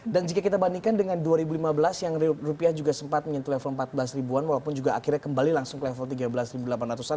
jika kita bandingkan dengan dua ribu lima belas yang rupiah juga sempat menyentuh level empat belas ribuan walaupun juga akhirnya kembali langsung ke level tiga belas delapan ratus an